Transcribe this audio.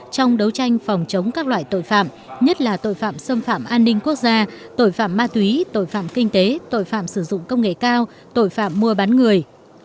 trong đấu tranh phòng chống các loại tội phạm nhất là tội phạm xâm phạm an ninh quốc gia tội phạm ma túy tội phạm kinh tế tội phạm sử dụng công nghệ cao tội phạm mua bán người